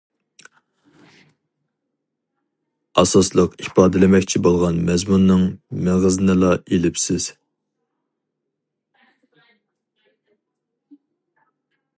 ئاساسلىق ئىپادىلىمەكچى بولغان مەزمۇننىڭ مېغىزىنىلا ئېلىپسىز.